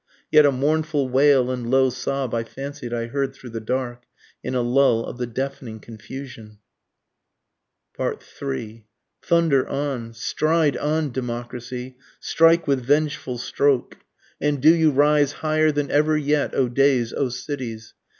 (Yet a mournful wail and low sob I fancied I heard through the dark, In a lull of the deafening confusion.) 3 Thunder on! stride on, Democracy! strike with vengeful stroke! And do you rise higher than ever yet O days, O cities!